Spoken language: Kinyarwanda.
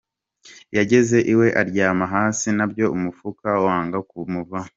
Yageze iwe aryama hasi nabyo umufuka wanga kumuvaho.